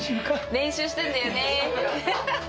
練習したんだよね。